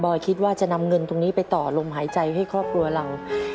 คิดว่าจะนำเงินตรงนี้ไปต่อลมหายใจให้ครอบครัวเรา